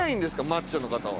マッチョの方は。